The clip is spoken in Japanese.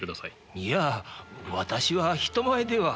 いや私は人前では。